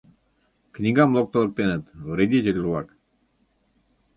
Книгам локтылыктеныт, вредитель-влак!